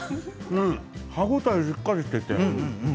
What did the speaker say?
歯応えがしっかりしていて。